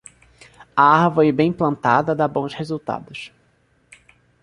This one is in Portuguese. A árvore bem plantada dá bons resultados.